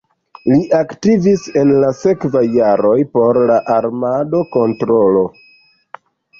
Li aktivis en la sekvaj jaroj por la armado-kontrolo.